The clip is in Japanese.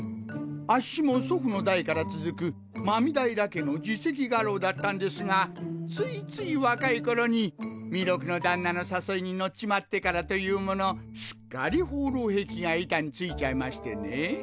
アッシも祖父の代から続く狸平家の次席家老だったんですがついつい若い頃に弥勒の旦那の誘いに乗っちまってからというものすっかり放浪癖が板についちゃいましてね。